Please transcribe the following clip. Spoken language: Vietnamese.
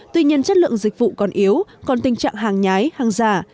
tuy nhiên chất lượng dịch vụ còn yếu còn tình trạng hàng nhái hàng giả